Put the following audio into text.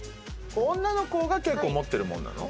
女の子が結構持ってるものなの？